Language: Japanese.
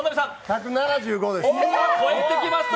１７５です。